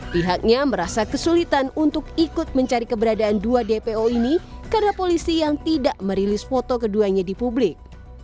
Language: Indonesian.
pihaknya merasa kesulitan untuk ikut mencari keberadaan dua dpo ini karena polisi yang tidak merilis foto keduanya di publik